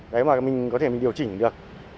đấy mà mình có thể điều chỉnh được